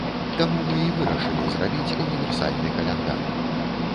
Таму мы і вырашылі зрабіць універсальны каляндар.